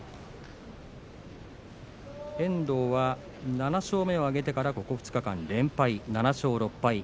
遠藤は７勝目を挙げてからここ２日間、連敗７勝６敗。